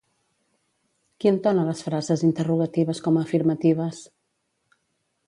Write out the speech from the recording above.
Qui entona les frases interrogatives com a afirmatives?